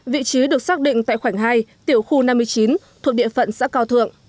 vị trí được xác định tại khoảnh hai tiểu khu năm mươi chín thuộc địa phận xã cao thượng